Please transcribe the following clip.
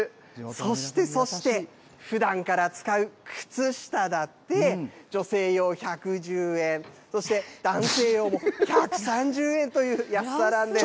そしてそして、ふだんから使う靴下だって、女性用１１０円、そして、男性用も１３０円という安さなんです。